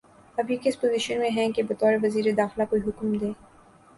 اب یہ کس پوزیشن میں ہیں کہ بطور وزیر داخلہ کوئی حکم دیں